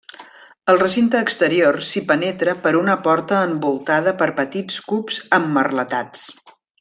Al recinte exterior si penetra per una porta envoltada per petits cubs emmerletats.